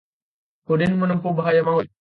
Udin menempuh bahaya maut